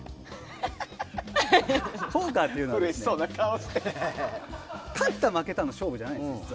ポーカーは勝った負けたの勝負じゃないんです。